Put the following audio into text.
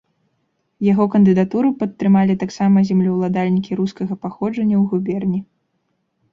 Яго кандыдатуру падтрымалі таксама землеўладальнікі рускага паходжання ў губерні.